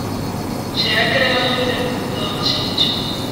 Se ha creado y reclutado a sí mismo.